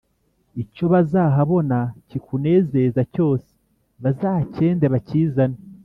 icyo bazahabona kikunezeza cyose bazacyende bakizane”